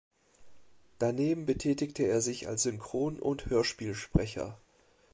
Daneben betätigte er sich als Synchron- und Hörspielsprecher.